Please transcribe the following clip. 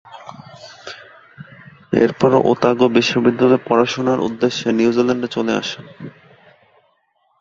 এরপর, ওতাগো বিশ্ববিদ্যালয়ে পড়াশোনার উদ্দেশ্যে নিউজিল্যান্ডে চলে আসেন।